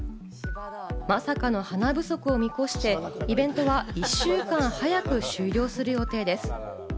まさかの花不足を見越して、イベントは１週間早く終了する予定です。